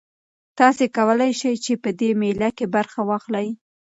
تاسي کولای شئ په دې مېله کې برخه واخلئ.